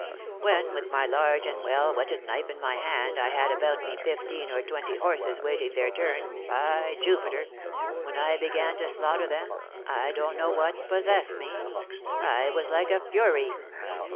When, with my large and well whetted knife in my hand, I had about me fifteen or twenty horses waiting their turn, by Jupiter! when I began to slaughter them, I don't know what possessed me, I was like a fury.